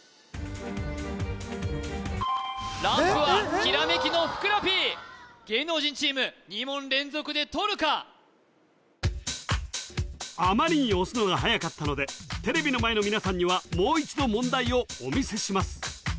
ランプはひらめきのふくらＰ芸能人チーム２問連続でとるかあまりに押すのがはやかったのでテレビの前の皆さんにはもう一度問題をお見せします